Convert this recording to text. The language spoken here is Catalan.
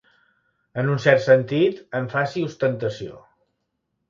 En un cert sentit, en faci ostentació.